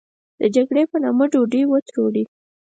د جګړې په نامه ډوډۍ و تروړي.